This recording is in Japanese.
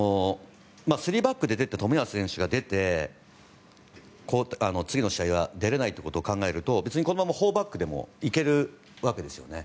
３バックで出てた冨安選手が次の試合は出られないと考えると別にこのまま４バックでも行けるわけですよね。